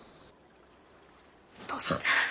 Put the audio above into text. どうぞ。